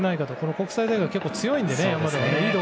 国際大会は結構強いので。